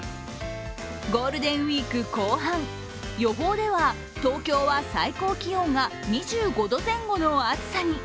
ゴールデンウイーク後半、予報では東京は最高気温が２５度前後の暑さに。